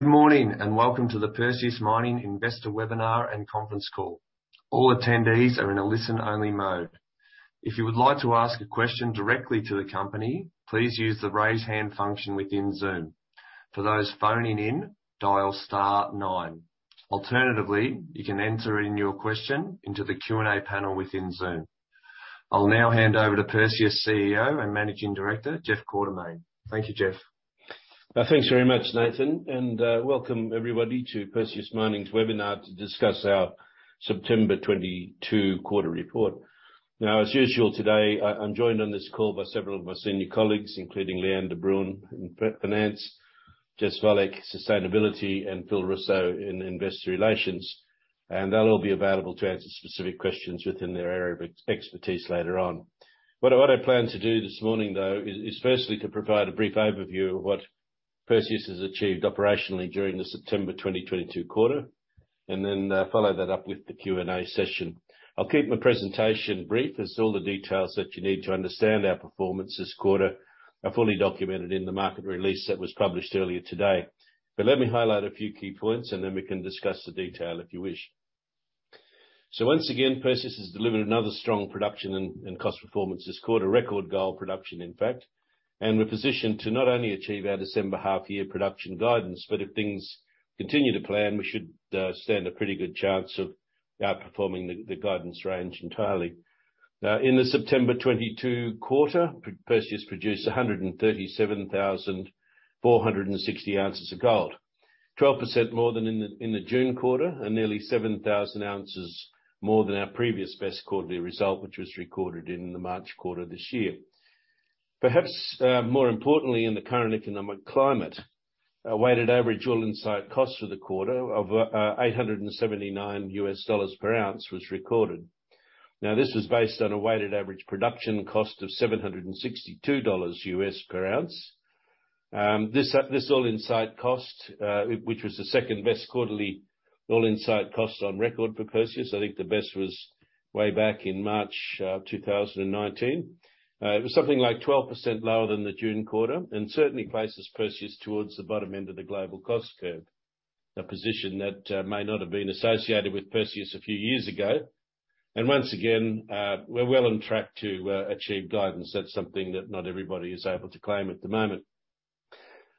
Good morning, and welcome to the Perseus Mining investor webinar and conference call. All attendees are in a listen-only mode. If you would like to ask a question directly to the company, please use the Raise Hand function within Zoom. For those phoning in, dial star nine. Alternatively, you can enter in your question into the Q&A panel within Zoom. I'll now hand over to Perseus' CEO and Managing Director, Jeff Quartermaine. Thank you, Geoff. Thanks very much, Nathan, and welcome everybody to Perseus Mining's webinar to discuss our September 2022 quarter report. Now, as usual, today, I'm joined on this call by several of my senior colleagues, including Lee-Anne de-Bruin in finance, Jess Valeck, sustainability, and Phil Russo in investor relations. They'll all be available to answer specific questions within their area of expertise later on. What I plan to do this morning, though, is firstly to provide a brief overview of what Perseus has achieved operationally during the September 2022 quarter, and then follow that up with the Q&A session. I'll keep my presentation brief, as all the details that you need to understand our performance this quarter are fully documented in the market release that was published earlier today. Let me highlight a few key points, and then we can discuss the detail if you wish. Once again, Perseus has delivered another strong production and cost performance this quarter. Record gold production, in fact. We're positioned to not only achieve our December half-year production guidance, but if things continue to plan, we should stand a pretty good chance of outperforming the guidance range entirely. Now, in the September 2022 quarter, Perseus produced 137,460 ounces of gold. 12% more than in the June quarter, and nearly 7,000 ounces more than our previous best quarterly result, which was recorded in the March quarter this year. Perhaps, more importantly in the current economic climate, a weighted average all-in sustaining cost for the quarter of $879 per ounce was recorded. Now, this was based on a weighted average production cost of $762 per ounce. This all-in sustaining cost, which was the second best quarterly all-in sustaining cost on record for Perseus, I think the best was way back in March 2019. It was something like 12% lower than the June quarter, and certainly places Perseus towards the bottom end of the global cost curve, a position that may not have been associated with Perseus a few years ago. Once again, we're well on track to achieve guidance. That's something that not everybody is able to claim at the moment.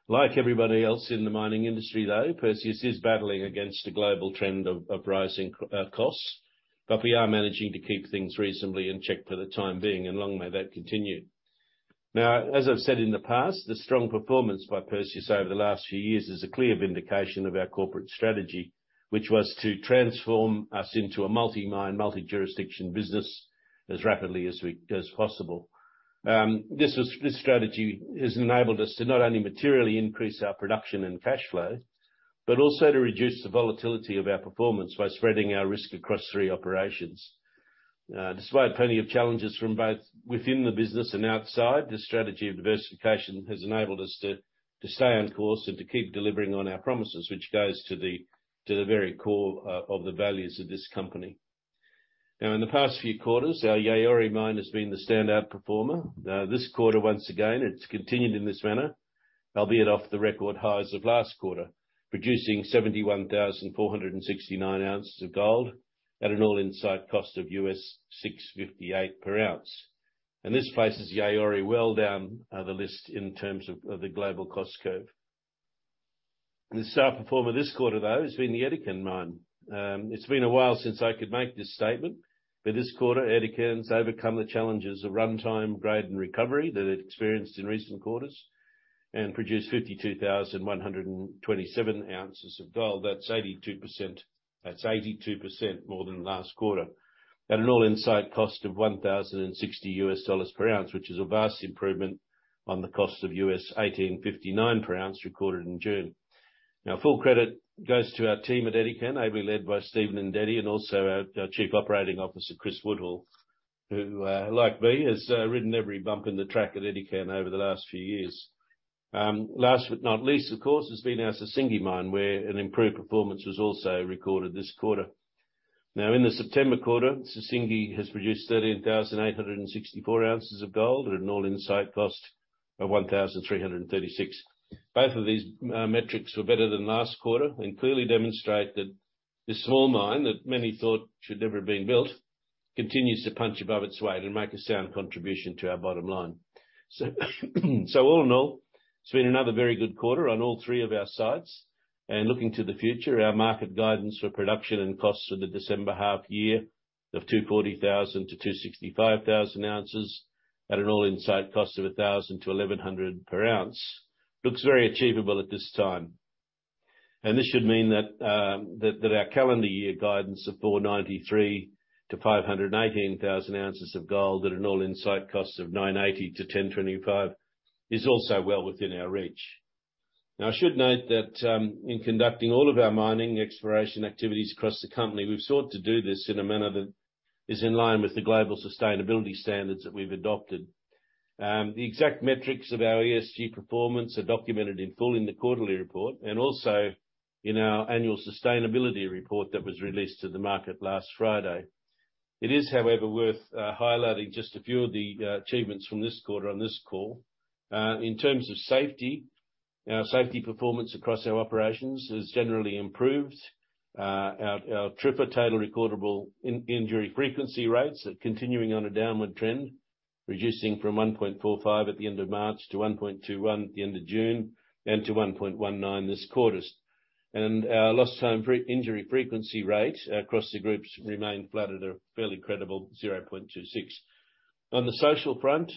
Like everybody else in the mining industry, though, Perseus is battling against a global trend of rising costs, but we are managing to keep things reasonably in check for the time being, and long may that continue. Now, as I've said in the past, the strong performance by Perseus over the last few years is a clear vindication of our corporate strategy, which was to transform us into a multi-mine, multi-jurisdiction business as rapidly as possible. This strategy has enabled us to not only materially increase our production and cash flow, but also to reduce the volatility of our performance by spreading our risk across three operations. Despite plenty of challenges from both within the business and outside, this strategy of diversification has enabled us to stay on course and to keep delivering on our promises, which goes to the very core of the values of this company. Now, in the past few quarters, our Yaouré Mine has been the standout performer. This quarter, once again, it's continued in this manner, albeit off the record highs of last quarter, producing 71,469 ounces of gold at an all-in sustaining cost of $658 per ounce. This places Yaouré well down the list in terms of the global cost curve. The star performer this quarter, though, has been the Edikan Mine. It's been a while since I could make this statement, but this quarter, Edikan's overcome the challenges of runtime, grade, and recovery that it experienced in recent quarters and produced 52,127 ounces of gold. That's 82%. That's 82% more than last quarter, at an all-in sustaining cost of $1,060 per ounce, which is a vast improvement on the cost of $1,859 per ounce recorded in June. Now, full credit goes to our team at Edikan, ably led by Stephen Ndedi, and also our Chief Operating Officer, Chris Woodall, who, like me, has ridden every bump in the track at Edikan over the last few years. Last but not least, of course, has been our Sissingué Mine, where an improved performance was also recorded this quarter. In the September quarter, Sissingué has produced 13,864 ounces of gold at an all-in sustaining cost of $1,336. Both of these metrics were better than last quarter and clearly demonstrate that this small mine, that many thought should never have been built, continues to punch above its weight and make a sound contribution to our bottom line. All in all, it's been another very good quarter on all three of our sites, and looking to the future, our management guidance for production and costs for the December half year of 240,000-265,000 ounces at an all-in sustaining cost of $1,000-$1,100 per ounce, looks very achievable at this time. This should mean that our calendar year guidance of 493-518 thousand ounces of gold at an all-in sustaining cost of 980-1,025 is also well within our reach. Now, I should note that in conducting all of our mining exploration activities across the company, we've sought to do this in a manner that is in line with the global sustainability standards that we've adopted. The exact metrics of our ESG performance are documented in full in the quarterly report and also in our annual sustainability report that was released to the market last Friday. It is, however, worth highlighting just a few of the achievements from this quarter on this call. In terms of safety, our safety performance across our operations has generally improved. Our total recordable injury frequency rates are continuing on a downward trend, reducing from 1.45 at the end of March to 1.21 at the end of June, and to 1.19 this quarter. Our lost time injury frequency rate across the groups remain flat at a fairly credible 0.26. On the social front,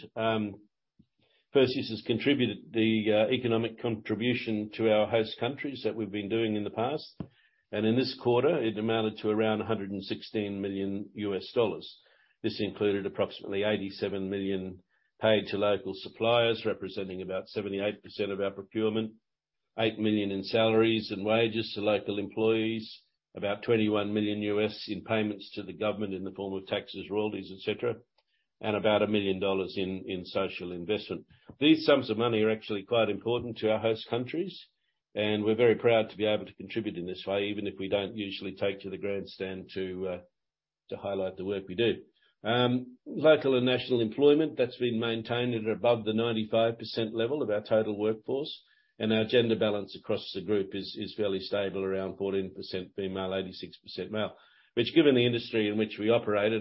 the economic contribution to our host countries that we've been doing in the past. In this quarter, it amounted to around $116 million. This included approximately 87 million paid to local suppliers, representing about 78% of our procurement, 8 million in salaries and wages to local employees, about $21 million in payments to the government in the form of taxes, royalties, et cetera, and about $1 million in social investment. These sums of money are actually quite important to our host countries, and we're very proud to be able to contribute in this way, even if we don't usually take to the grandstand to highlight the work we do. Local and national employment, that's been maintained at above the 95% level of our total workforce. Our gender balance across the group is fairly stable, around 14% female, 86% male. Which, given the industry in which we operate,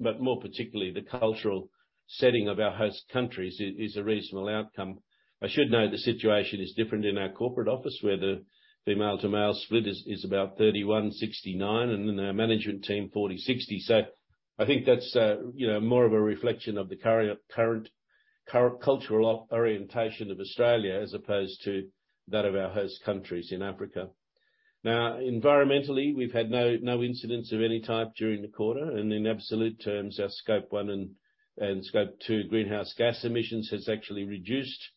but more particularly the cultural setting of our host countries, is a reasonable outcome. I should note the situation is different in our corporate office, where the female to male split is about 31-69, and in our management team, 40-60. I think that's, you know, more of a reflection of the current cultural orientation of Australia as opposed to that of our host countries in Africa. Now, environmentally, we've had no incidents of any type during the quarter, and in absolute terms, our Scope 1 and Scope 2 greenhouse gas emissions has actually reduced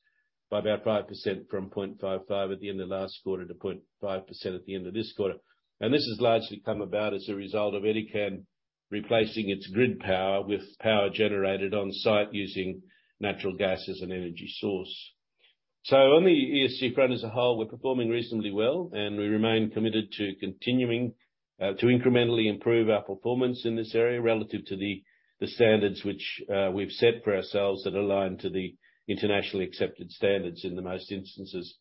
by about 5% from 0.55 at the end of last quarter to 0.5% at the end of this quarter. This has largely come about as a result of Edikan replacing its grid power with power generated on site using natural gas as an energy source. On the ESG front as a whole, we're performing reasonably well, and we remain committed to continuing to incrementally improve our performance in this area relative to the standards which we've set for ourselves that align to the internationally accepted standards in the most instances.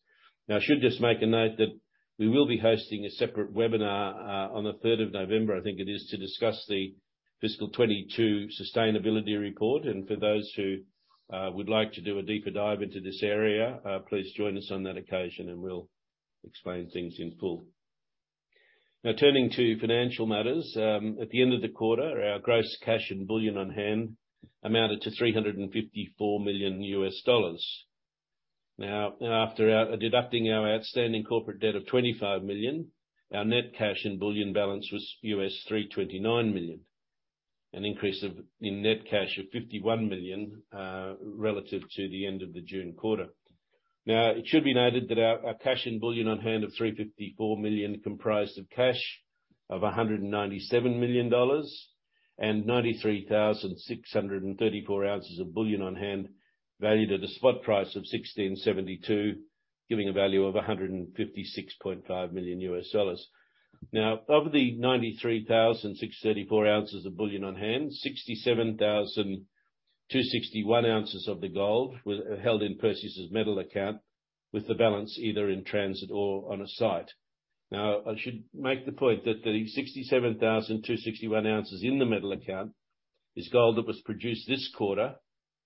Now, I should just make a note that we will be hosting a separate webinar on the third of November, I think it is, to discuss the fiscal 2022 sustainability report. For those who would like to do a deeper dive into this area, please join us on that occasion and we'll explain things in full. Now, turning to financial matters. At the end of the quarter, our gross cash and bullion on hand amounted to $354 million. Now, after deducting our outstanding corporate debt of $25 million, our net cash and bullion balance was $329 million, an increase of $51 million in net cash relative to the end of the June quarter. Now, it should be noted that our cash and bullion on hand of $354 million comprised cash of $197 million and 93,634 ounces of bullion on hand, valued at a spot price of $1,672, giving a value of $156.5 million. Now, of the 93,634 ounces of bullion on hand, 67,261 ounces of the gold was held in Perseus' metal account, with the balance either in transit or on a site. Now, I should make the point that the 67,261 ounces in the metal account is gold that was produced this quarter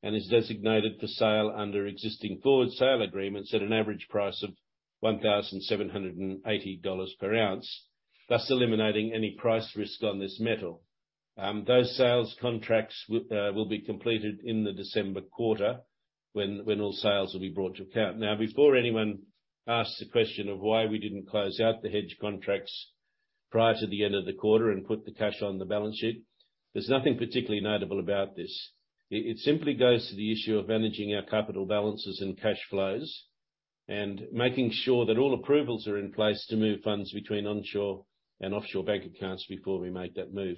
and is designated for sale under existing forward sale agreements at an average price of $1,780 per ounce, thus eliminating any price risk on this metal. Those sales contracts will be completed in the December quarter when all sales will be brought to account. Now, before anyone asks the question of why we didn't close out the hedge contracts prior to the end of the quarter and put the cash on the balance sheet, there's nothing particularly notable about this. It simply goes to the issue of managing our capital balances and cash flows and making sure that all approvals are in place to move funds between onshore and offshore bank accounts before we make that move.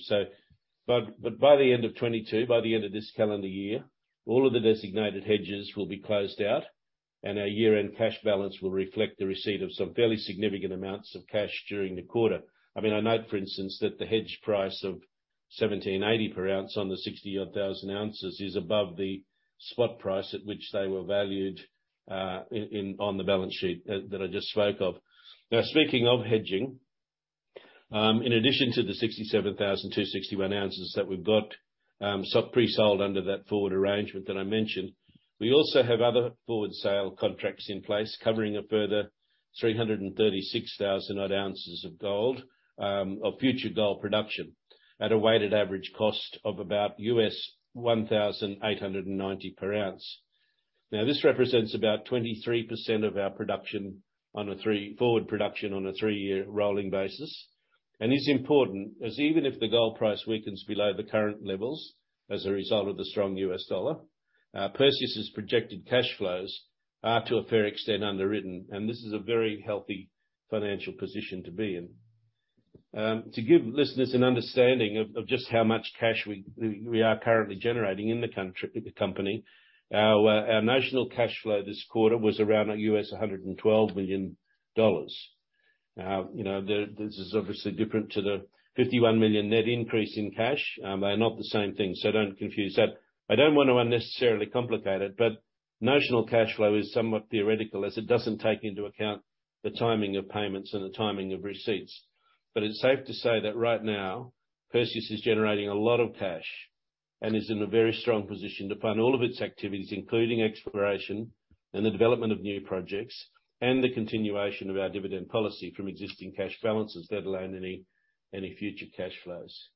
But by the end of this calendar year, all of the designated hedges will be closed out, and our year-end cash balance will reflect the receipt of some fairly significant amounts of cash during the quarter. I mean, I note, for instance, that the hedge price of $1,780 per ounce on the 60,000 ounces is above the spot price at which they were valued on the balance sheet that I just spoke of. Now, speaking of hedging, in addition to the 67,261 ounces that we've got so pre-sold under that forward arrangement that I mentioned, we also have other forward sale contracts in place covering a further 336,000 ounces of gold of future gold production at a weighted average cost of about $1,890 per ounce. Now, this represents about 23% of our production on a three-year forward production on a three-year rolling basis, and is important, as even if the gold price weakens below the current levels as a result of the strong U.S. dollar, Perseus' projected cash flows are, to a fair extent, underwritten, and this is a very healthy financial position to be in. To give listeners an understanding of just how much cash we are currently generating in the company, our net cash flow this quarter was around $112 million. Now, you know, this is obviously different to the $51 million net increase in cash. They are not the same thing, so don't confuse that. I don't want to unnecessarily complicate it, but notional cash flow is somewhat theoretical, as it doesn't take into account the timing of payments and the timing of receipts. It's safe to say that right now, Perseus is generating a lot of cash and is in a very strong position to fund all of its activities, including exploration and the development of new projects, and the continuation of our dividend policy from existing cash balances, let alone any future cash flows.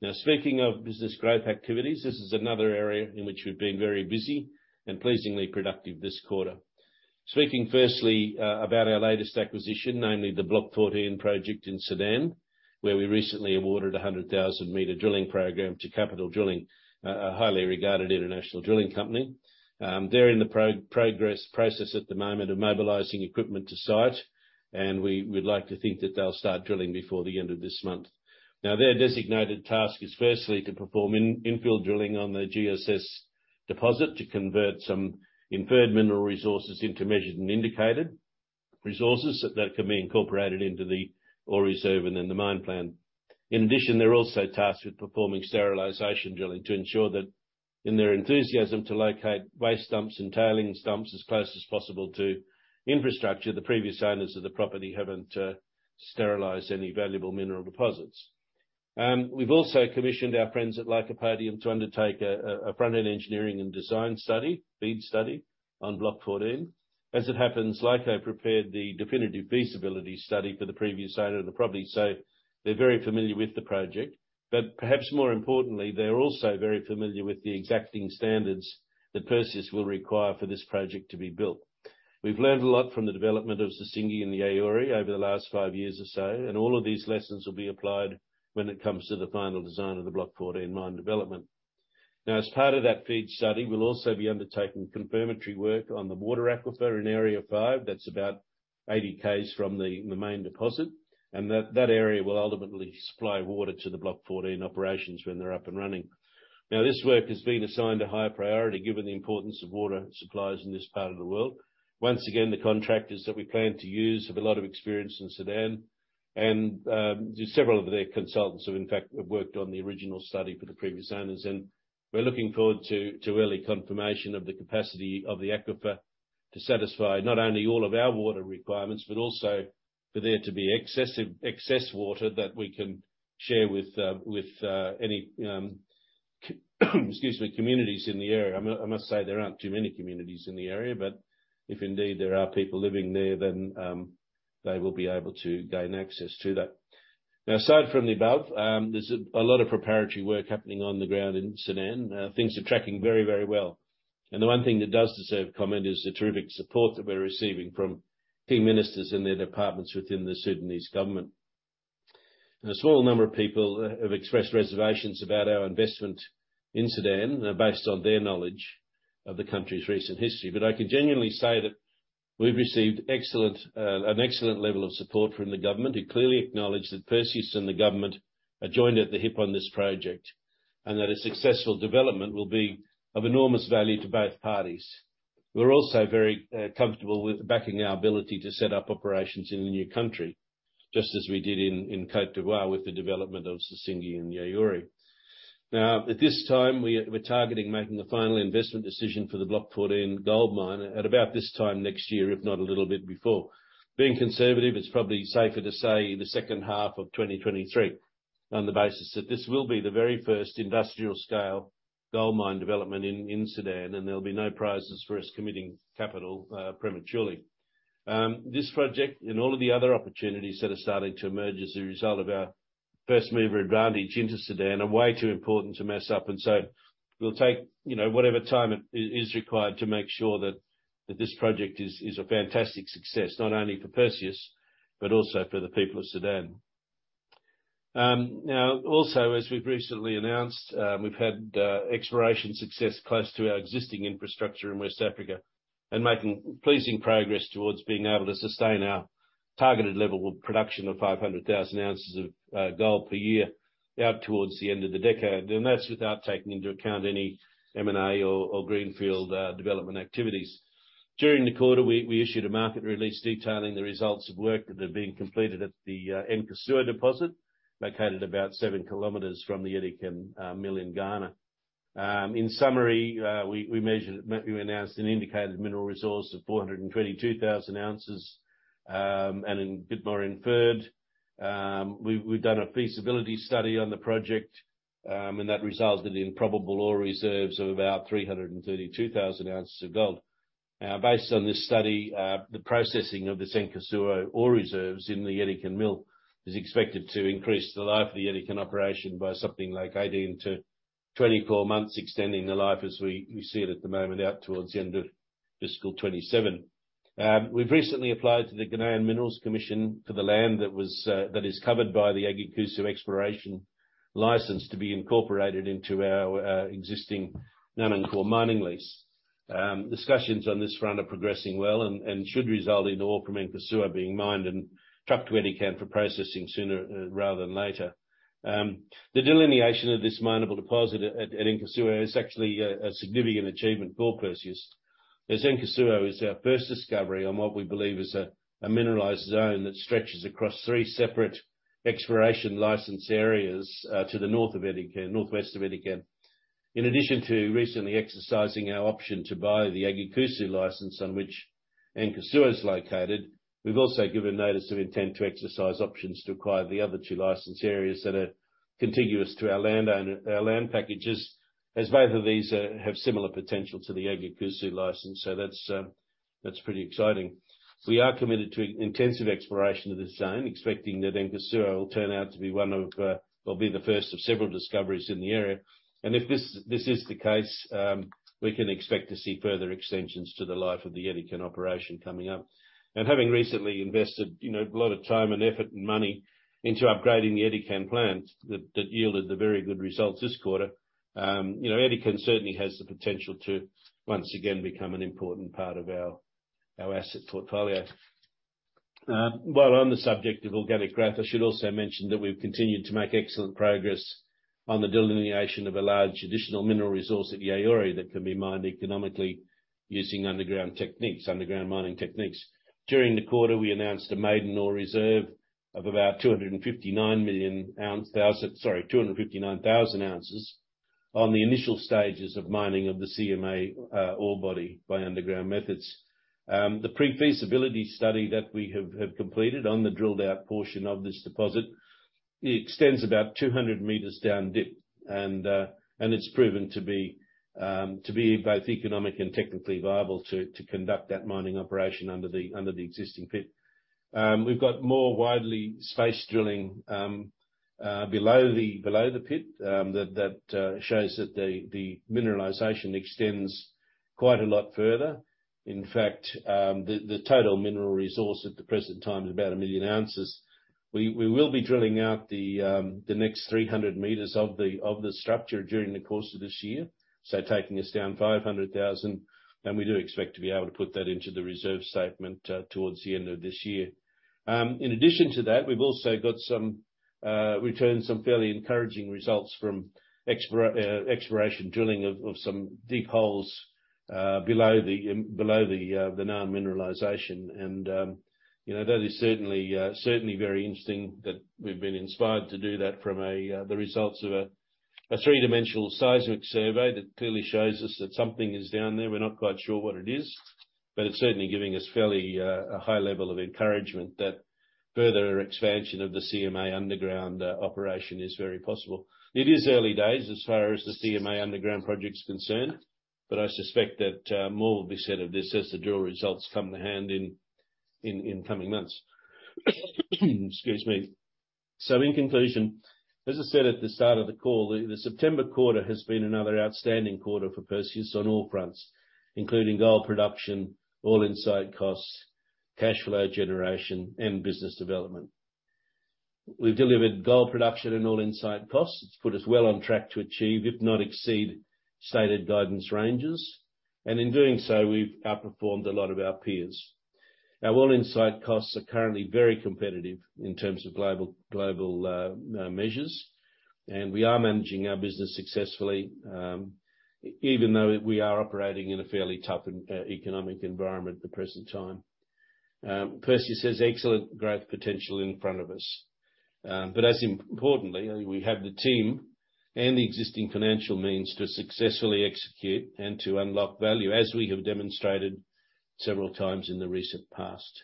Now, speaking of business growth activities, this is another area in which we've been very busy and pleasingly productive this quarter. Speaking firstly about our latest acquisition, namely the Block 14 project in Sudan, where we recently awarded a 100,000-meter drilling program to Capital Drilling, a highly regarded international drilling company. They're in the process at the moment of mobilizing equipment to site, and we'd like to think that they'll start drilling before the end of this month. Their designated task is firstly to perform infill drilling on the GSS deposit to convert some Inferred Mineral Resources into Measured and Indicated Resources that can be incorporated into the Ore Reserve and then the mine plan. In addition, they're also tasked with performing sterilization drilling to ensure that in their enthusiasm to locate waste dumps and tailings dumps as close as possible to infrastructure, the previous owners of the property haven't sterilized any valuable mineral deposits. We've also commissioned our friends at Lycopodium to undertake a front-end engineering and design study, FEED study, on Block 14. As it happens, Lycopodium prepared the definitive feasibility study for the previous owner of the property, so they're very familiar with the project. Perhaps more importantly, they're also very familiar with the exacting standards that Perseus will require for this project to be built. We've learned a lot from the development of Sissingué and Yaouré over the last five years or so, and all of these lessons will be applied when it comes to the final design of the Block 14 mine development. Now, as part of that FEED study, we'll also be undertaking confirmatory work on the water aquifer in Area Five. That's about 80 km from the main deposit. That area will ultimately supply water to the Block 14 operations when they're up and running. Now, this work has been assigned a high priority given the importance of water supplies in this part of the world. Once again, the contractors that we plan to use have a lot of experience in Sudan and several of their consultants have, in fact, worked on the original study for the previous owners. We're looking forward to early confirmation of the capacity of the aquifer to satisfy not only all of our water requirements, but also for there to be excess water that we can share with any communities in the area. I must say there aren't too many communities in the area, but if indeed there are people living there, then they will be able to gain access to that. Now, aside from the above, there's a lot of preparatory work happening on the ground in Sudan. Things are tracking very, very well. The one thing that does deserve comment is the terrific support that we're receiving from key ministers in their departments within the Sudanese government. A small number of people have expressed reservations about our investment in Sudan, based on their knowledge of the country's recent history. I can genuinely say that we've received an excellent level of support from the government, who clearly acknowledge that Perseus and the government are joined at the hip on this project, and that a successful development will be of enormous value to both parties. We're also very comfortable with backing our ability to set up operations in a new country, just as we did in Côte d'Ivoire with the development of Sissingué and Yaouré. Now, at this time, we're targeting making the final investment decision for the Block 14 gold mine at about this time next year, if not a little bit before. Being conservative, it's probably safer to say the second half of 2023 on the basis that this will be the very first industrial scale gold mine development in Sudan, and there'll be no prizes for us committing capital prematurely. This project and all of the other opportunities that are starting to emerge as a result of our first mover advantage into Sudan are way too important to mess up. We'll take, you know, whatever time it is required to make sure that this project is a fantastic success, not only for Perseus, but also for the people of Sudan. Now also, as we've recently announced, we've had exploration success close to our existing infrastructure in West Africa and making pleasing progress towards being able to sustain our targeted level of production of 500,000 ounces of gold per year out towards the end of the decade. That's without taking into account any M&A or greenfield development activities. During the quarter, we issued a market release detailing the results of work that had been completed at the Nkosuo deposit, located about seven kilom from the Edikan mill in Ghana. In summary, we measured, we announced an indicated mineral resource of 422,000 ounces, and a bit more inferred. We've done a feasibility study on the project, and that resulted in probable ore reserves of about 332,000 ounces of gold. Based on this study, the processing of the Nkosuo ore reserves in the Edikan mill is expected to increase the life of the Edikan operation by something like 18-24 months, extending the life as we see it at the moment out towards the end of fiscal 2027. We've recently applied to the Minerals Commission of Ghana for the land that is covered by the Nkosuo exploration license to be incorporated into our existing Nananko mining lease. Discussions on this front are progressing well and should result in ore from Nkosuo being mined and trucked to Edikan for processing sooner rather than later. The delineation of this mineable deposit at Nkosuo is actually a significant achievement for Perseus. As Nkosuo is our first discovery on what we believe is a mineralized zone that stretches across three separate exploration license areas to the north of Edikan, northwest of Edikan. In addition to recently exercising our option to buy the Agyakusu license on which Nkosuo is located, we've also given notice of intent to exercise options to acquire the other two license areas that are contiguous to our land packages, as both of these have similar potential to the Agyakusu license. That's pretty exciting. We are committed to intensive exploration of this zone, expecting that Nkosuo will turn out to be one of, or be the first of several discoveries in the area. If this is the case, we can expect to see further extensions to the life of the Edikan operation coming up. Having recently invested, you know, a lot of time and effort and money into upgrading the Edikan plant that yielded the very good results this quarter, you know, Edikan certainly has the potential to once again become an important part of our asset portfolio. While on the subject of organic growth, I should also mention that we've continued to make excellent progress on the delineation of a large additional mineral resource at Yaouré that can be mined economically using underground mining techniques. During the quarter, we announced a maiden Ore Reserve of about 259,000 ounces on the initial stages of mining of the CMA ore body by underground methods. The pre-feasibility study that we have completed on the drilled out portion of this deposit, it extends about 200 m down dip, and it's proven to be both economic and technically viable to conduct that mining operation under the existing pit. We've got more widely spaced drilling below the pit that shows that the mineralization extends quite a lot further. In fact, the total mineral resource at the present time is about 1 million ounces. We will be drilling out the next 300 m of the structure during the course of this year, so taking us down 500,000, and we do expect to be able to put that into the reserve statement towards the end of this year. In addition to that, we've returned some fairly encouraging results from exploration drilling of some deep holes below the known mineralization. You know, that is certainly very interesting that we've been inspired to do that from the results of a three-dimensional seismic survey that clearly shows us that something is down there. We're not quite sure what it is, but it's certainly giving us fairly a high level of encouragement that further expansion of the CMA underground operation is very possible. It is early days as far as the CMA underground project's concerned, but I suspect that more will be said of this as the drill results come to hand in coming months. Excuse me. In conclusion, as I said at the start of the call, the September quarter has been another outstanding quarter for Perseus on all fronts, including gold production, all-in sustaining costs, cash flow generation, and business development. We've delivered gold production and all-in sustaining costs. It's put us well on track to achieve, if not exceed, stated guidance ranges. In doing so, we've outperformed a lot of our peers. Our all-in sustaining costs are currently very competitive in terms of global measures, and we are managing our business successfully, even though we are operating in a fairly tough economic environment at the present time. Perseus has excellent growth potential in front of us. As importantly, we have the team and the existing financial means to successfully execute and to unlock value, as we have demonstrated several times in the recent past.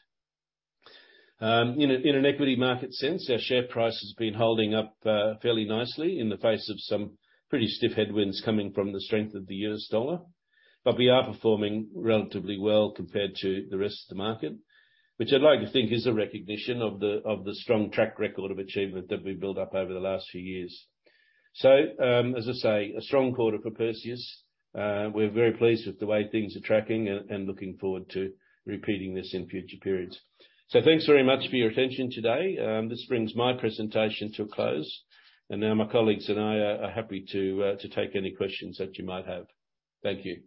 In an equity market sense, our share price has been holding up fairly nicely in the face of some pretty stiff headwinds coming from the strength of the US dollar. We are performing relatively well compared to the rest of the market, which I'd like to think is a recognition of the strong track record of achievement that we've built up over the last few years. As I say, a strong quarter for Perseus. We're very pleased with the way things are tracking and looking forward to repeating this in future periods. Thanks very much for your attention today. This brings my presentation to a close, and now my colleagues and I are happy to take any questions that you might have. Thank you.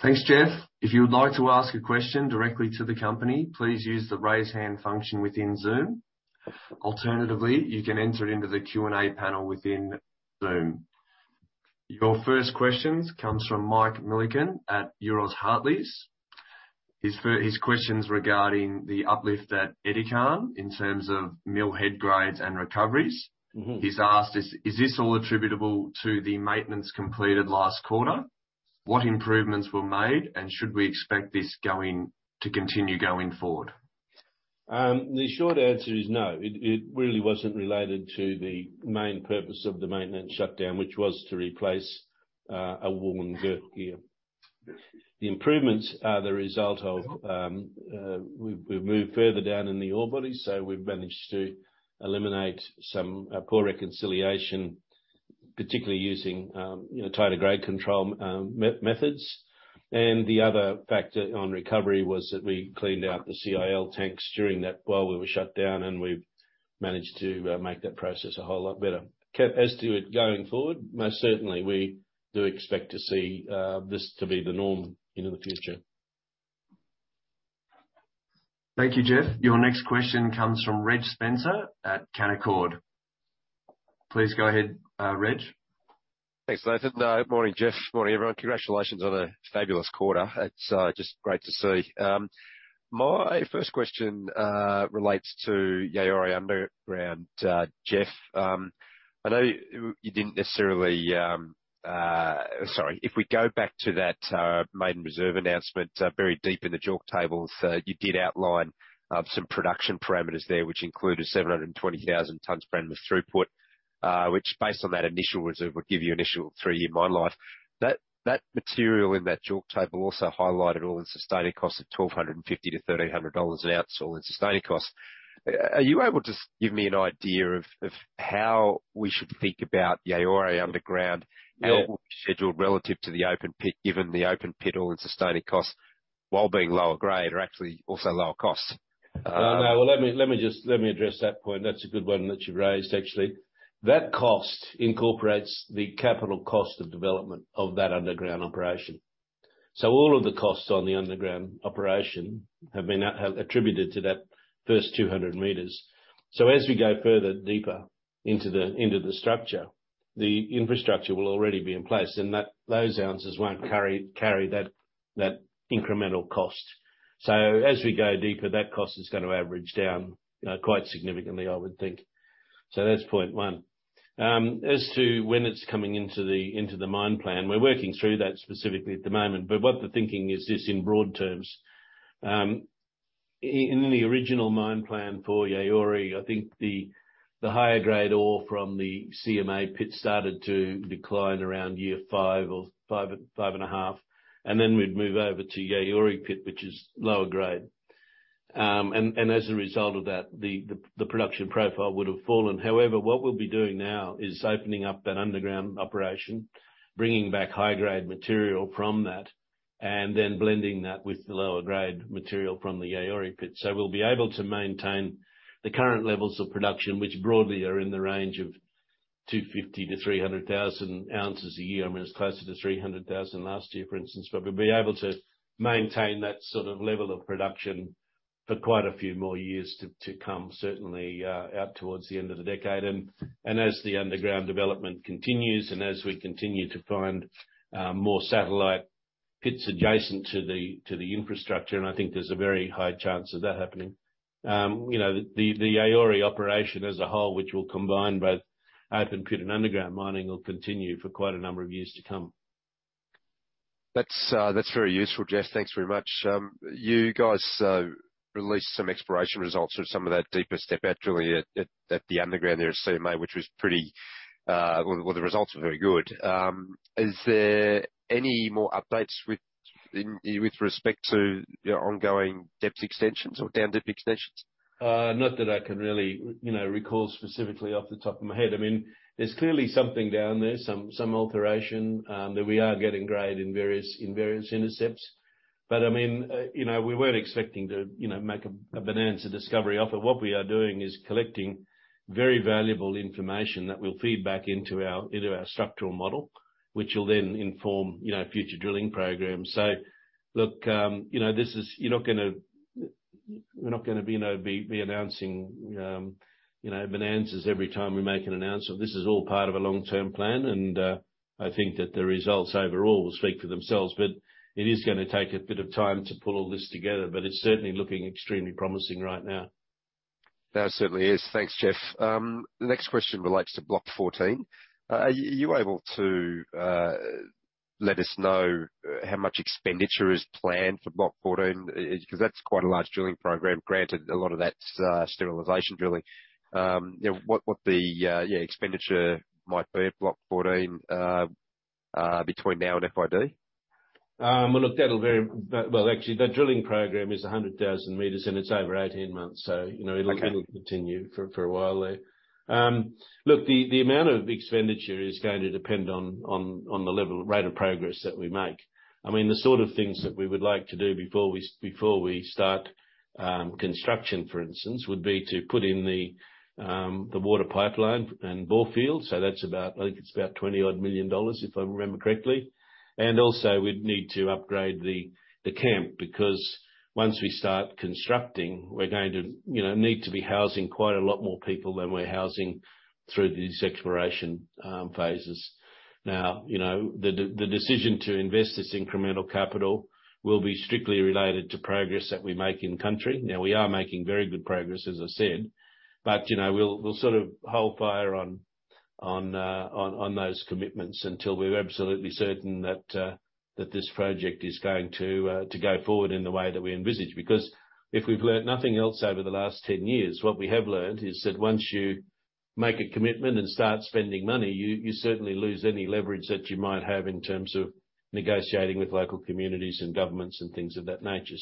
Thanks, Jeff. If you would like to ask a question directly to the company, please use the Raise Hand function within Zoom. Alternatively, you can enter it into the Q&A panel within Zoom. Your first question comes from Mike Milligan at Euroz Hartleys. His question's regarding the uplift at Edikan in terms of mill head grades and recoveries. Mm-hmm. He's asked, "Is this all attributable to the maintenance completed last quarter? What improvements were made, and should we expect this going to continue going forward? The short answer is no. It really wasn't related to the main purpose of the maintenance shutdown, which was to replace a worn gear wheel. The improvements are the result of we've moved further down in the ore body, so we've managed to eliminate some poor reconciliation, particularly using you know, tighter grade control methods. The other factor on recovery was that we cleaned out the CIL tanks during that, while we were shut down, and we've managed to make that process a whole lot better. As to it going forward, most certainly, we do expect to see this to be the norm into the future. Thank you, Jeff. Your next question comes from Reg Spencer at Canaccord. Please go ahead, Reg. Thanks, Nathan. Good morning, Geoff. Morning, everyone. Congratulations on a fabulous quarter. It's just great to see. My first question relates to Yaouré Underground. Geoff, I know you didn't necessarily. Sorry. If we go back to that maiden reserve announcement, very deep in the JORC Tables, you did outline some production param there, which include a 720,000 tons per annum throughput, which based on that initial reserve, would give you initial three-year mine life. That material in that JORC table also highlighted all-in sustaining costs of $1,250-$1,300 an ounce, all-in sustaining costs. Are you able to give me an idea of how we should think about Yaouré Underground? Yeah. how it will be scheduled relative to the open pit, given the open pit all-in sustaining costs, while being lower grade, are actually also lower costs. Well, no. Let me address that point. That's a good one that you raised, actually. That cost incorporates the capital cost of development of that underground operation. All of the costs on the underground operation have been attributed to that first 200 m. As we go further deeper into the structure, the infrastructure will already be in place, and those ounces won't carry that incremental cost. As we go deeper, that cost is gonna average down, you know, quite significantly, I would think. That's point one. As to when it's coming into the mine plan, we're working through that specifically at the moment. What the thinking is this in broad terms, in the original mine plan for Yaouré, I think the higher grade ore from the CMA pit started to decline around year five or 5.5. Then we'd move over to Yaouré pit, which is lower grade. As a result of that, the production profile would have fallen. However, what we'll be doing now is opening up that underground operation, bringing back high grade material from that, and then blending that with the lower grade material from the Yaouré pit. We'll be able to maintain the current levels of production, which broadly are in the range of 250,000-300,000 ounces a year. I mean, it's closer to 300,000 last year, for instance. We'll be able to maintain that sort of level of production for quite a few more years to come, certainly out towards the end of the decade. As the underground development continues, and as we continue to find more satellite pits adjacent to the infrastructure, and I think there's a very high chance of that happening, you know, the Yaouré operation as a whole, which will combine both open pit and underground mining, will continue for quite a number of years to come. That's very useful, Geoff. Thanks very much. You guys released some exploration results with some of that deeper step out drilling at the underground there at CMA, the results were very good. Is there any more updates with respect to your ongoing depth extensions or down depth extensions? Not that I can really, you know, recall specifically off the top of my head. I mean, there's clearly something down there, some alteration that we are getting grade in various intercepts. I mean, you know, we weren't expecting to, you know, make a bonanza discovery off it. What we are doing is collecting very valuable information that will feed back into our structural model, which will then inform, you know, future drilling programs. So look, you know, we're not gonna be, you know, announcing bonanzas every time we make an announcement. This is all part of a long-term plan, and I think that the results overall will speak for themselves. It is gonna take a bit of time to pull all this together. It's certainly looking extremely promising right now. That certainly is. Thanks, Geoff. Next question relates to Block Fourteen. Are you able to let us know how much expenditure is planned for Block Fourteen? 'Cause that's quite a large drilling program, granted a lot of that's sterilization drilling. Expenditure might be at Block Fourteen between now and FID? Well, actually that drilling program is 100,000 m, and it's over 18 months, so you know. Okay. It'll continue for a while there. Look, the amount of expenditure is going to depend on the level rate of progress that we make. I mean, the sort of things that we would like to do before we start construction, for instance, would be to put in the water pipeline and borefield. So that's about, I think it's about 20-odd million dollars, if I remember correctly. Also, we'd need to upgrade the camp, because once we start constructing, we're going to, you know, need to be housing quite a lot more people than we're housing through these exploration phases. Now, you know, the decision to invest this incremental capital will be strictly related to progress that we make in country. Now, we are making very good progress, as I said, but, you know, we'll sort of hold fire on those commitments until we're absolutely certain that this project is going to go forward in the way that we envisage. Because if we've learned nothing else over the last 10 years, what we have learned is that once you make a commitment and start spending money, you certainly lose any leverage that you might have in terms of negotiating with local communities and governments and things of that nature.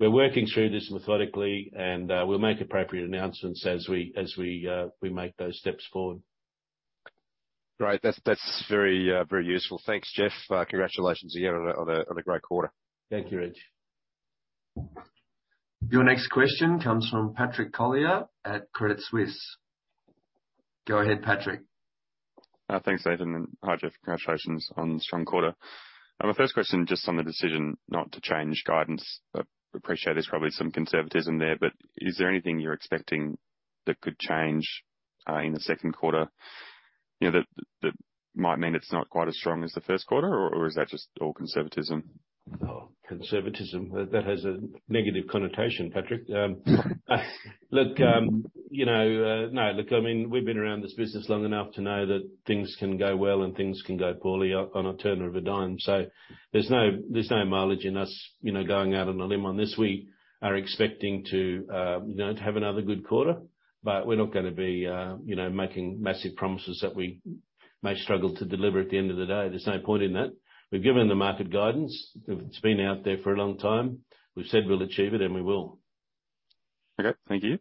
We're working through this methodically, and we'll make appropriate announcements as we make those steps forward. Great. That's very useful. Thanks, Jeff. Congratulations again on a great quarter. Thank you, Reg. Your next question comes from Patrick Collier at Credit Suisse. Go ahead, Patrick. Thanks, Nathan. Hi, Jeff. Congratulations on the strong quarter. My first question, just on the decision not to change guidance. I appreciate there's probably some conservatism there, but is there anything you're expecting that could change in the second quarter that might mean it's not quite as strong as the first quarter? Or is that just all conservatism? Oh, conservatism. That has a negative connotation, Patrick. Look, you know, no, look, I mean, we've been around this business long enough to know that things can go well and things can go poorly on a turn of a dime. So there's no mileage in us, you know, going out on a limb on this. We are expecting to, you know, to have another good quarter, but we're not gonna be, you know, making massive promises that we may struggle to deliver at the end of the day. There's no point in that. We've given the market guidance. It's been out there for a long time. We've said we'll achieve it, and we will. Okay, thank you.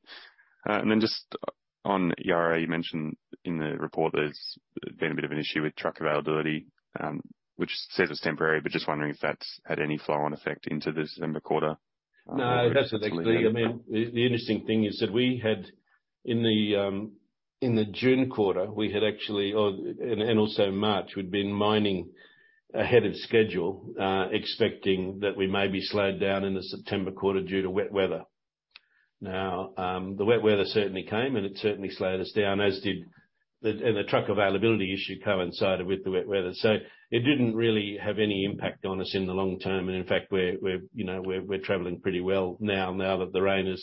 Just on Yaouré, you mentioned in the report there's been a bit of an issue with truck availability, which says it's temporary, but just wondering if that's had any flow on effect into the December quarter. No, it hasn't actually. I mean, the interesting thing is that we had in the June quarter and also March, we'd been mining ahead of schedule, expecting that we may be slowed down in the September quarter due to wet weather. Now, the wet weather certainly came, and it certainly slowed us down, as did the truck availability issue coincided with the wet weather. It didn't really have any impact on us in the long term. In fact, we're you know, we're traveling pretty well now that the rain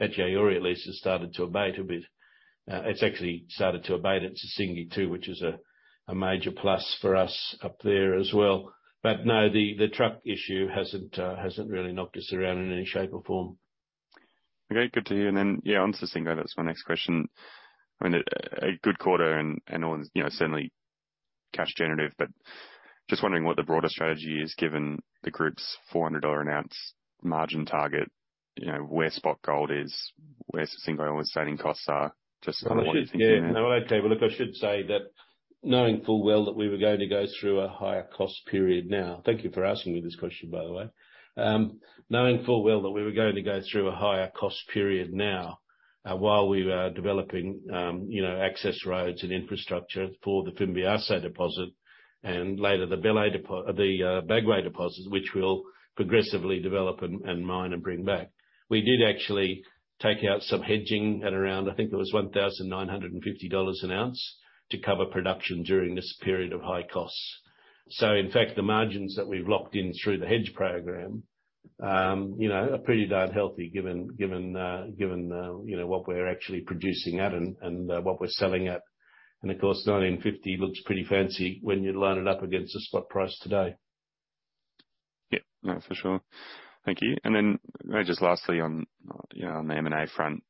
at Yaouré at least has started to abate a bit. It's actually started to abate at Sissingué too, which is a major plus for us up there as well. No, the truck issue hasn't really knocked us around in any shape or form. Okay, good to hear. Then, yeah, on Sissingué, that's my next question. I mean, a good quarter and all, you know, certainly cash generative, but just wondering what the broader strategy is, given the group's $400 an ounce margin target, you know, where spot gold is, where Sissingué all-in sustaining costs are. Just kind of what you're thinking there. Yeah. No. Okay. Well, look, I should say that knowing full well that we were going to go through a higher cost period now. Thank you for asking me this question, by the way. Knowing full well that we were going to go through a higher cost period now, while we were developing, you know, access roads and infrastructure for the Fimbiasso deposit and later the Bagoé deposit, which we'll progressively develop and mine and bring back. We did actually take out some hedging at around, I think it was $1,950 an ounce to cover production during this period of high costs. In fact, the margins that we've locked in through the hedge program, you know, are pretty darn healthy given what we're actually producing at and what we're selling at. Of course, $1,950 looks pretty fancy when you line it up against the spot price today. Yeah. No, for sure. Thank you. Just lastly, on, you know, on the M&A front,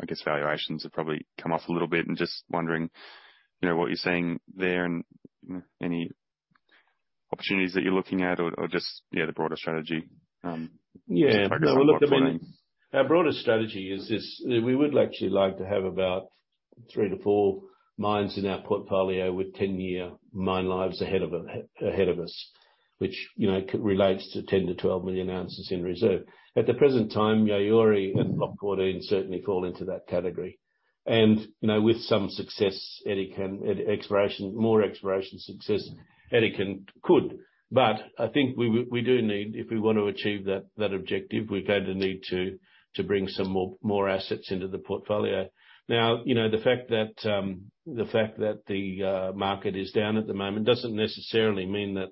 I guess valuations have probably come off a little bit and just wondering, you know, what you're seeing there and any opportunities that you're looking at or just, yeah, the broader strategy. Yeah. Block 14. Our broader strategy is this. We would actually like to have about 3-4 mines in our portfolio with 10-year mine lives ahead of us, which, you know, relates to 10-12 million ounces in reserve. At the present time, Yaouré and Block 14 certainly fall into that category. You know, with some success, Edikan exploration, more exploration success, Edikan could. But I think we do need, if we want to achieve that objective, we're going to need to bring some more assets into the portfolio. Now, you know, the fact that the market is down at the moment doesn't necessarily mean that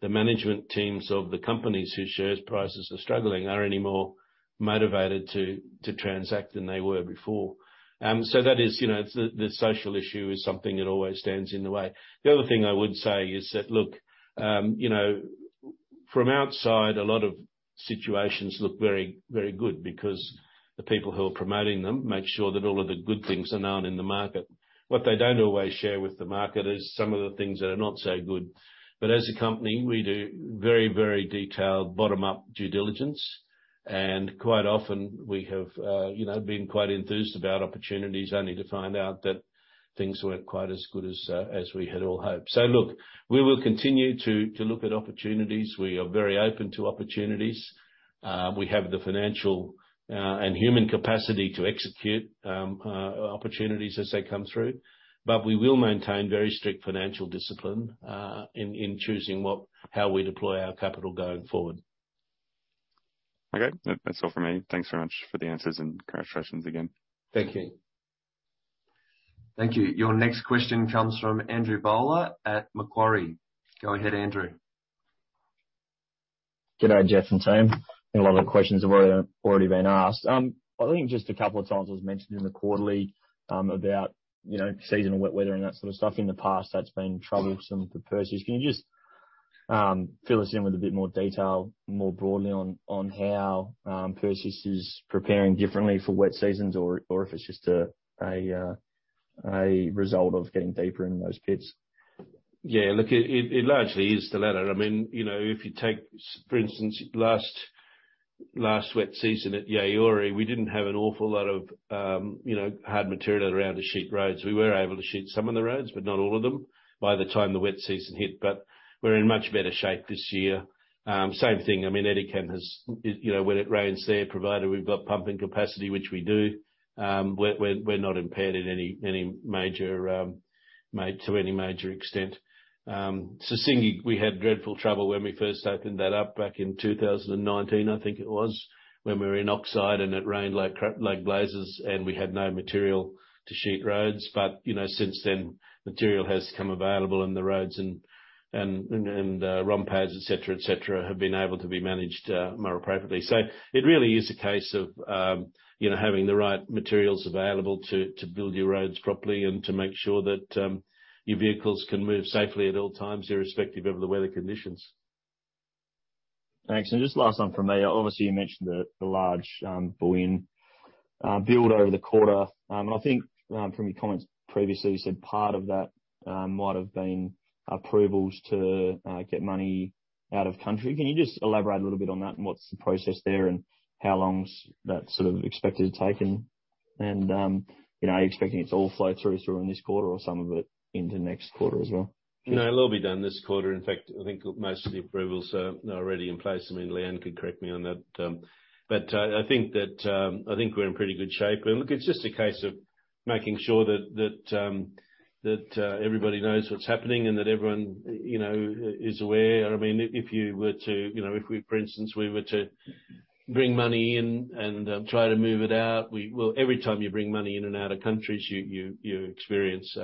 the management teams of the companies whose share prices are struggling are any more motivated to transact than they were before. That is, you know, the social issue is something that always stands in the way. The other thing I would say is that, look, you know, from outside, a lot of situations look very, very good because the people who are promoting them make sure that all of the good things are known in the market. What they don't always share with the market is some of the things that are not so good. As a company, we do very, very detailed bottom-up due diligence. Quite often we have, you know, been quite enthused about opportunities only to find out that things weren't quite as good as we had all hoped. Look, we will continue to look at opportunities. We are very open to opportunities. We have the financial and human capacity to execute opportunities as they come through. We will maintain very strict financial discipline in choosing how we deploy our capital going forward. Okay. That's all from me. Thanks very much for the answers and congratulations again. Thank you. Thank you. Your next question comes from Andrew Bowler at Macquarie. Go ahead, Andrew. G'day, Geoff and team. A lot of the questions have already been asked. I think just a couple of times it was mentioned in the quarterly about, you know, seasonal wet weather and that sort of stuff. In the past, that's been troublesome for Perseus. Can you just fill us in with a bit more detail, more broadly on how Perseus is preparing differently for wet seasons or if it's just a result of getting deeper in those pits? Yeah, look, it largely is the latter. I mean, you know, if you take, for instance, last wet season at Yaouré, we didn't have an awful lot of, you know, hard material around to sheet roads. We were able to sheet some of the roads, but not all of them by the time the wet season hit. We're in much better shape this year. Same thing. I mean, Edikan has, you know, when it rains there, provided we've got pumping capacity, which we do, we're not impaired in any major to any major extent. Sissingué, we had dreadful trouble when we first opened that up back in 2019, I think it was, when we were in oxide, and it rained like blazes, and we had no material to sheet roads. you know, since then, material has come available, and the roads and ramps, et cetera, et cetera, have been able to be managed more appropriately. It really is a case of you know, having the right materials available to build your roads properly and to make sure that your vehicles can move safely at all times, irrespective of the weather conditions. Thanks. Just last one from me. Obviously, you mentioned the large bullion build over the quarter. I think from your comments previously, you said part of that might have been approvals to get money out of country. Can you just elaborate a little bit on that and what's the process there, and how long's that sort of expected to take? You know, are you expecting it to all flow through to in this quarter or some of it into next quarter as well? No, it'll all be done this quarter. In fact, I think most of the approvals are already in place. I mean, Lee-Anne could correct me on that. But I think we're in pretty good shape. Look, it's just a case of making sure that everybody knows what's happening and that everyone, you know, is aware. I mean, if you were to, you know, if we, for instance, were to bring money in and try to move it out, well, every time you bring money in and out of countries, you experience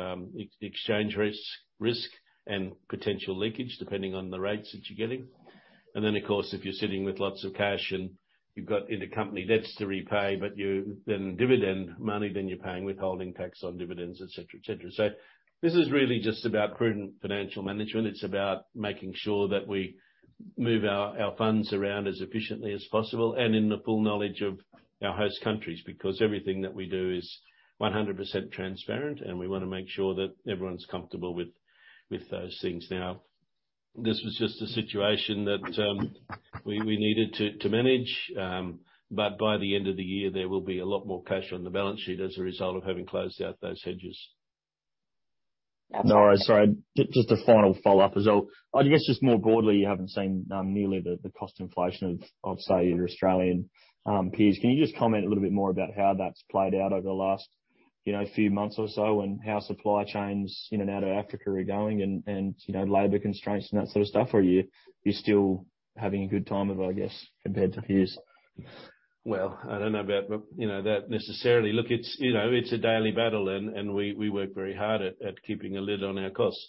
exchange risk and potential leakage depending on the rates that you're getting. Of course, if you're sitting with lots of cash and you've got intercompany debts to repay, but you then dividend money, then you're paying withholding tax on dividends, et cetera, et cetera. This is really just about prudent financial management. It's about making sure that we move our funds around as efficiently as possible and in the full knowledge of our host countries. Because everything that we do is 100% transparent, and we wanna make sure that everyone's comfortable with those things. Now, this was just a situation that we needed to manage. By the end of the year, there will be a lot more cash on the balance sheet as a result of having closed out those hedges. No worries. Sorry. Just a final follow-up as well. I guess just more broadly, you haven't seen nearly the cost inflation of say your Australian peers. Can you just comment a little bit more about how that's played out over the last, you know, few months or so, and how supply chains in and out of Africa are going and, you know, labor constraints and that sort of stuff? Or are you still having a good time of it, I guess, compared to peers? Well, I don't know about, you know, that necessarily. Look, it's, you know, it's a daily battle and we work very hard at keeping a lid on our costs.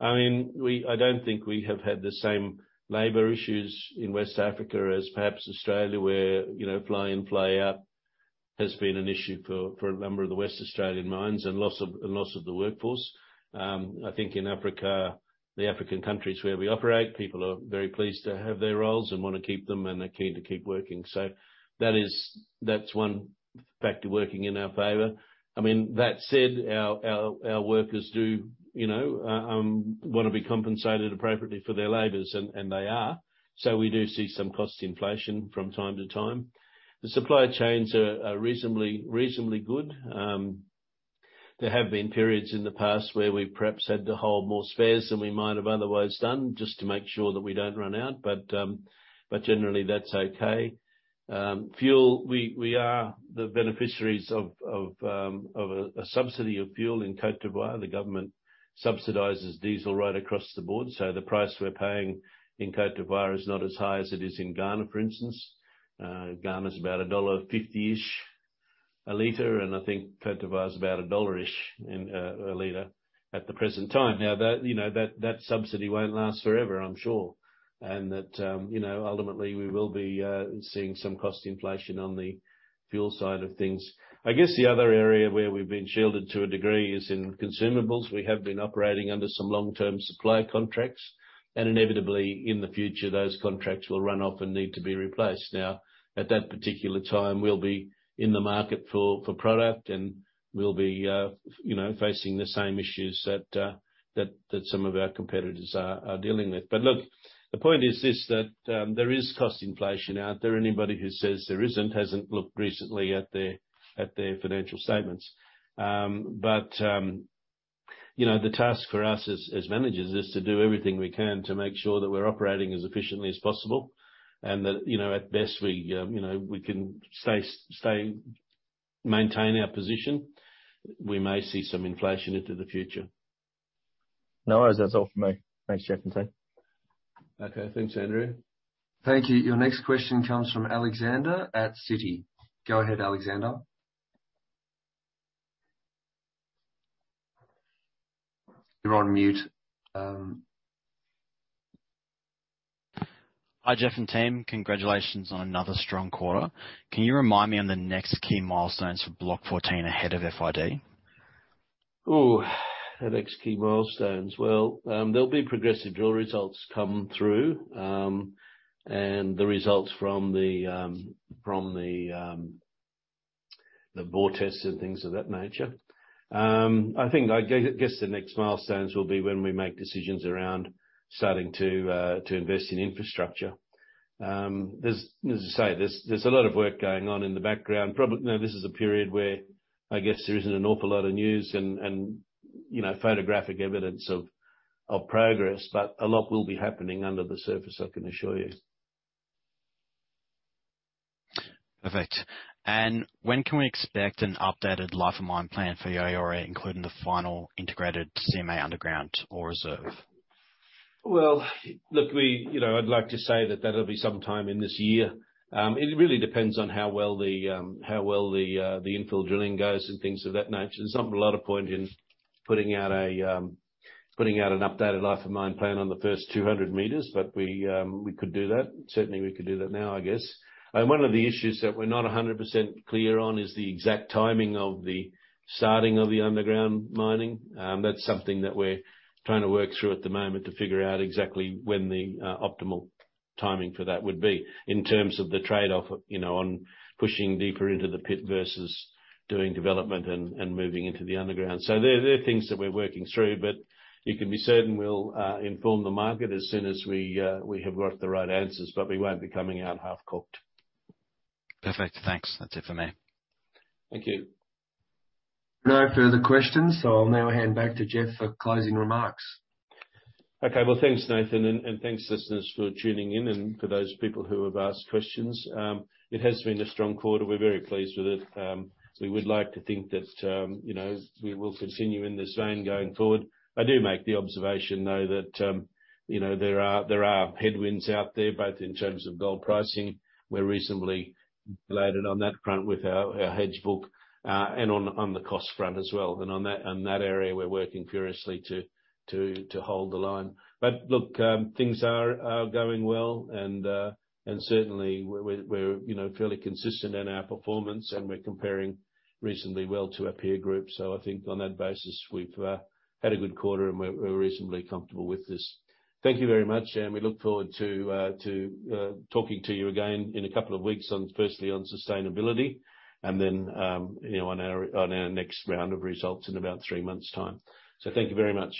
I mean, I don't think we have had the same labor issues in West Africa as perhaps Australia, where, you know, fly in, fly out has been an issue for a number of the West Australian mines and loss of the workforce. I think in Africa, the African countries where we operate, people are very pleased to have their roles and wanna keep them, and they're keen to keep working. That's one factor working in our favor. I mean, that said, our workers do, you know, wanna be compensated appropriately for their labors, and they are. We do see some cost inflation from time to time. The supply chains are reasonably good. There have been periods in the past where we perhaps had to hold more spares than we might have otherwise done, just to make sure that we don't run out. But generally, that's okay. Fuel, we are the beneficiaries of a subsidy of fuel in Côte d'Ivoire. The government subsidizes diesel right across the board. The price we're paying in Côte d'Ivoire is not as high as it is in Ghana, for instance. Ghana's about $1.50-ish a liter, and I think Côte d'Ivoire is about $1-ish a liter at the present time. Now, that subsidy won't last forever, I'm sure, and that, you know, ultimately, we will be seeing some cost inflation on the fuel side of things. I guess the other area where we've been shielded to a degree is in consumables. We have been operating under some long-term supply contracts, and inevitably, in the future, those contracts will run off and need to be replaced. Now, at that particular time we'll be in the market for product, and we'll be, you know, facing the same issues that some of our competitors are dealing with. Look, the point is this, that there is cost inflation out there. Anybody who says there isn't hasn't looked recently at their financial statements. You know, the task for us as managers is to do everything we can to make sure that we're operating as efficiently as possible and that, you know, at best we, you know, we can maintain our position. We may see some inflation into the future. No worries. That's all from me. Thanks, Geoff and team. Okay. Thanks, Andrew. Thank you. Your next question comes from Alexander at Citi. Go ahead, Alexander. You're on mute. Hi, Jeff and team. Congratulations on another strong quarter. Can you remind me on the next key milestones for Block 14 ahead of FID? Ooh. The next key milestones. Well, there'll be progressive drill results come through, and the results from the bore tests and things of that nature. I think, I guess the next milestones will be when we make decisions around starting to invest in infrastructure. There's, as I say, a lot of work going on in the background. Probably, you know, this is a period where I guess there isn't an awful lot of news and, you know, photographic evidence of progress, but a lot will be happening under the surface, I can assure you. Perfect. When can we expect an updated life of mine plan for Yaouré, including the final integrated CMA underground ore reserve? Well, look, You know, I'd like to say that that'll be sometime in this year. It really depends on how well the infill drilling goes and things of that nature. There's not a lot of point in putting out an updated life of mine plan on the first 200 m, but we could do that. Certainly, we could do that now, I guess. One of the issues that we're not 100% clear on is the exact timing of the starting of the underground mining. That's something that we're trying to work through at the moment to figure out exactly when the optimal timing for that would be in terms of the trade-off, you know, on pushing deeper into the pit versus doing development and moving into the underground. They're things that we're working through, but you can be certain we'll inform the market as soon as we have got the right answers, but we won't be coming out half-cooked. Perfect. Thanks. That's it for me. Thank you. No further questions, so I'll now hand back to Jeff for closing remarks. Okay. Well, thanks, Nathan. Thanks listeners for tuning in and for those people who have asked questions. It has been a strong quarter. We're very pleased with it. We would like to think that, you know, we will continue in this vein going forward. I do make the observation, though, that, you know, there are headwinds out there, both in terms of gold pricing, we're reasonably loaded on that front with our hedge book, and on the cost front as well. On that area, we're working furiously to hold the line. Look, things are going well and certainly we're you know fairly consistent in our performance and we're comparing reasonably well to our peer group. I think on that basis, we've had a good quarter and we're reasonably comfortable with this. Thank you very much, and we look forward to talking to you again in a couple of weeks on firstly on sustainability and then you know on our next round of results in about three months' time. Thank you very much.